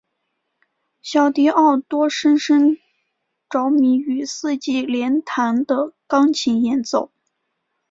小狄奥多深深着迷于四手联弹的钢琴演奏。